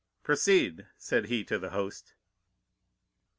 "Proceed!" said he to the host.